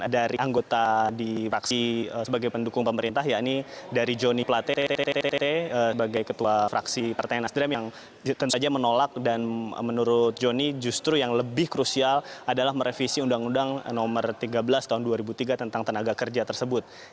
dari anggota di fraksi sebagai pendukung pemerintah ya ini dari jonny plate sebagai ketua fraksi partai nasdem yang tentu saja menolak dan menurut joni justru yang lebih krusial adalah merevisi undang undang nomor tiga belas tahun dua ribu tiga tentang tenaga kerja tersebut